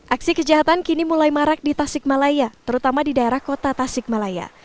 aksi kejahatan kini mulai marak di tasikmalaya terutama di daerah kota tasikmalaya